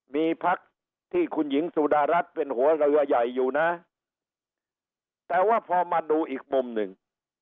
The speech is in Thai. มีพักที่คุณหญิงสุดารัฐเป็นหัวเรือใหญ่อยู่นะแต่ว่าพอมาดูอีกมุมหนึ่ง